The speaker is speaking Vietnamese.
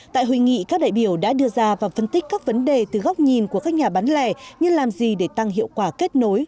tại hội nghị các đại biểu đã đưa ra và phân tích các vấn đề từ góc nhìn của các nhà bán lẻ như làm gì để tăng hiệu quả kết nối